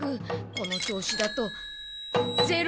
この調子だとゼロ。